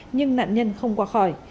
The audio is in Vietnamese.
nhưng nạn nhân không qua khỏi